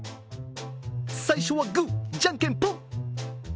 最初はグーじゃんけんぽん。